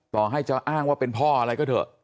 ต่อให้จะอ้างว่าเป็นพ่ออะไรก็เถอะ